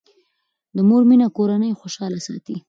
د مور مینه کورنۍ خوشاله ساتي.